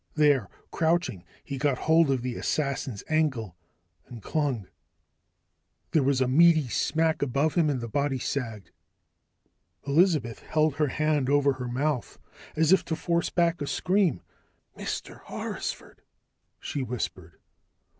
There! Crouching, he got hold of the assassin's ankle and clung. There was a meaty smack above him, and the body sagged. Elizabeth held her hand over her mouth, as if to force back a scream. "Mr. Horrisford," she whispered.